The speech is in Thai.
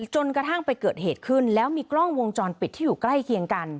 จนกระทั่งไปเกิดเหตุขึ้นแล้วมีกล้องวงจรปิดที่อยู่ใกล้เคียงกัน